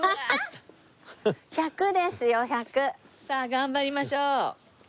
さあ頑張りましょう。